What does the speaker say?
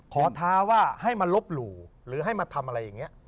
ท้าว่าให้มาลบหลู่หรือให้มาทำอะไรอย่างนี้